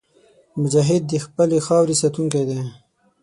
مجاهد د خپلې خاورې ساتونکی دی.